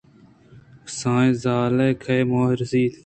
کسانیں زال ءَ کہ موہ رست